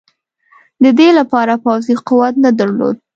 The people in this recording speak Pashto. د دې لپاره پوځي قوت نه درلود.